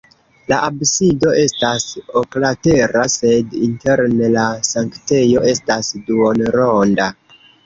La absido estas oklatera, sed interne la sanktejo estas duonronda.